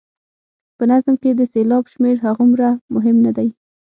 په نظم کې د سېلاب شمېر هغومره مهم نه دی.